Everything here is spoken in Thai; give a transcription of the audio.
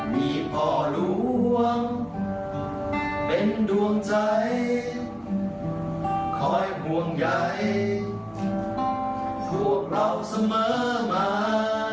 มีพ่อหลวงเป็นดวงใจคอยห่วงใหญ่พวกเราเสมอมา